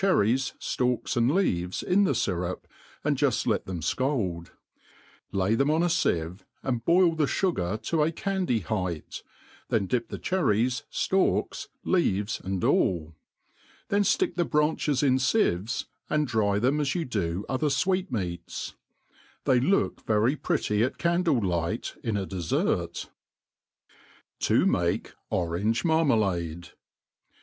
rries, ftall^s, and leaves in the fyrup, and juft let theai fcald ; lay them on a fieye, and boil the fuaar to a candy height, then dip the cherries, ftalks, leaves^ aiid all; then ftick the branches in fieves, and dry them as you do other fwectmeans* They look very pretty at candle light in a dcfert, '".*#■•'"/'•, To make Orar^e Marmalade.